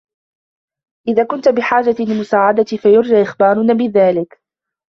إذا كنت بحاجة لمساعدتي ، فيرجى إخبارنا بذلك.